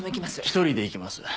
一人で行きます。